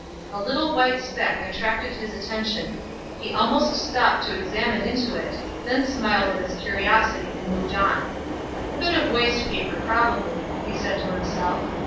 A little white speck attracted his attention; he almost stopped to examine into it, then smiled at his curiosity, and moved on. "A bit of waste paper probably," he said to himself.